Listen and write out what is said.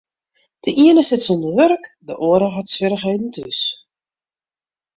De iene sit sûnder wurk, de oare hat swierrichheden thús.